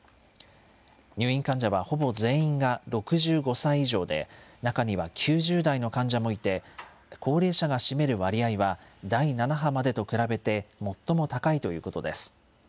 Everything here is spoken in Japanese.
入院患者はほぼ全員が６５歳以上で、中には９０代の患者もいて、高齢者が占める割合は第７波までと比べて最も高いということです。